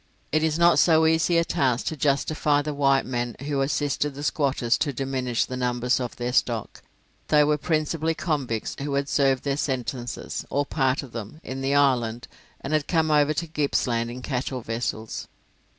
It is not so easy a task to justify the white men who assisted the squatters to diminish the numbers of their stock. They were principally convicts who had served their sentences, or part of them, in the island, and had come over to Gippsland in cattle vessels.